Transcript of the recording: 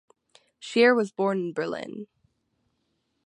Scheer was born in Berlin.